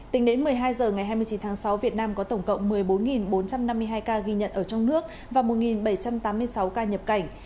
tính đến một mươi hai h ngày hai mươi chín tháng sáu việt nam có tổng cộng một mươi bốn bốn trăm năm mươi hai ca ghi nhận ở trong nước và một bảy trăm tám mươi sáu ca nhập cảnh